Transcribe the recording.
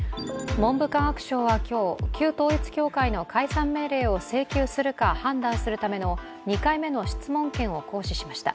文部科学省は今日、旧統一教会の解散命令を請求するか判断するための、２回目の質問権を行使しました。